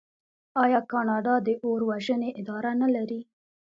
آیا کاناډا د اور وژنې اداره نلري؟